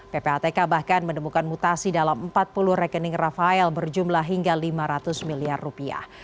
ppatk bahkan menemukan mutasi dalam empat puluh rekening rafael berjumlah hingga lima ratus miliar rupiah